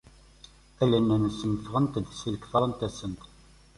Allen-nsen ffɣent-d si lketra n tassemt.